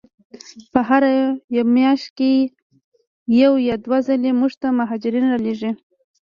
په هره میاشت کې یو یا دوه ځلې موږ ته مهاجرین را لیږي.